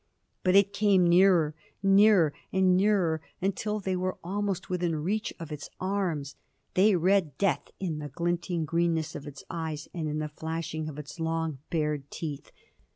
But it came nearer, nearer, and nearer, until they were almost within reach of its arms. They read death in the glinting greenness of its eyes and in the flashing of its long bared teeth.